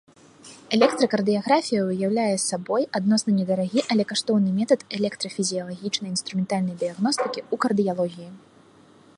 Электракардыяграфія ўяўляе сабой адносна недарагі, але каштоўны метад электрафізіялагічнай інструментальнай дыягностыкі ў кардыялогіі.